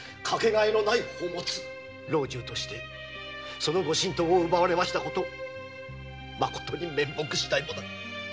老中として御神刀を奪われしことまことに面目しだいもなく。